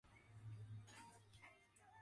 It is separated by a courtyard and rural road.